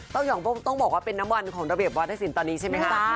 ยองต้องบอกว่าเป็นน้ำมันของระเบียบวัฒนศิลป์ตอนนี้ใช่ไหมคะ